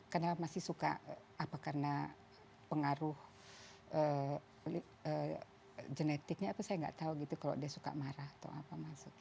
karena masih suka apa karena pengaruh genetiknya saya tidak tahu gitu kalau dia suka marah atau apa